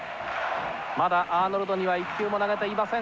まだアーノルドには一球も投げていません。